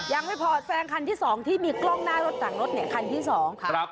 ยังไม่พอแซงคันที่๒ที่มีกล้องหน้ารถหลังรถเนี่ยคันที่๒ค่ะ